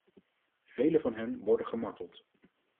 Velen van hen worden gemarteld.